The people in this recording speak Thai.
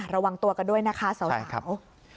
ระวังตัวกันด้วยนะคะสาว